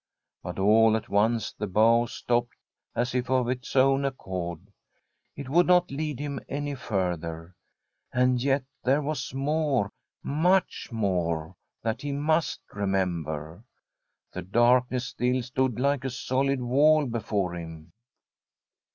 But all at once the bow stopped, as if of its own accord. It would not lead him any further. And yet there was more — much more — that he must remember. The dark ness still stood like a solid wall before him.